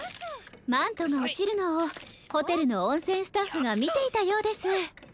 マントがおちるのをホテルのおんせんスタッフがみていたようです。